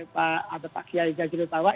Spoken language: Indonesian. pak aba pak kiai jajirutawa